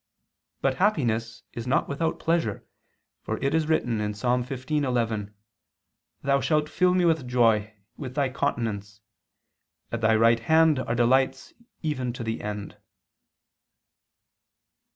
But Happiness is not without pleasure: for it is written (Ps. 15:11): "Thou shalt fill me with joy with Thy countenance; at Thy right hand are delights even to the end."